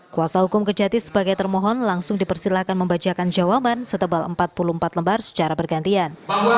kuasa hukum kejati sebagai termohon langsung dipersilakan membacakan jawaban setebal empat puluh empat lembar secara bergantian